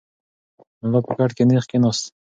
ملا په کټ کې نېغ کښېناست.